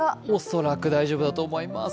恐らく大丈夫だと思います。